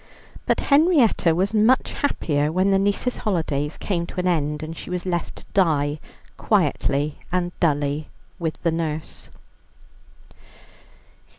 But Henrietta was much happier when the niece's holidays came to an end, and she was left to die quietly and dully with the nurse.